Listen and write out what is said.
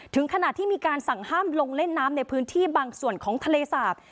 ถึงขณะที่มีการสั่งห้ามลงเล่นน้ำในพื้นที่บางส่วนของทะเลสาป